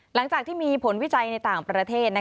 หลังจากที่มีผลวิจัยในต่างประเทศ